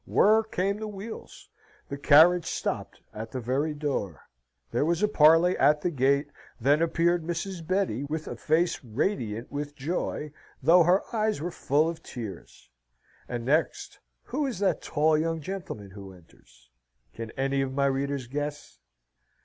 Whirr came the wheels the carriage stopped at the very door: there was a parley at the gate: then appeared Mrs. Betty, with a face radiant with joy, though her eyes were full of tears; and next, who is that tall young gentleman who enters? Can any of my readers guess?